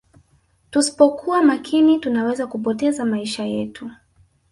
tuspokuwa makini tunaweza kupoteza maisha yetu